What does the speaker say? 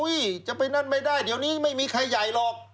จะไปนั่นไม่ได้เดี๋ยวนี้ไม่มีใครใหญ่หรอก